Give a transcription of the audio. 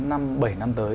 năm bảy năm tới